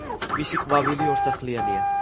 მისი ყვავილი ორსახლიანია.